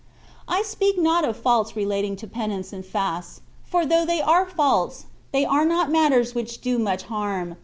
I speak not of faults 64 THE WAY OP PERFECTION. relating to penance and fasts, for though they are faults, they are not matters which do so much harm.